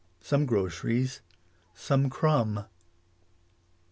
I Some groceries Some crumb.